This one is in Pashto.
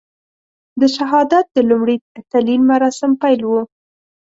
د شهادت د لومړي تلین مراسم پیل وو.